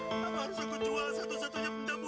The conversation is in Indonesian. apa harus aku jual satu satunya penjabut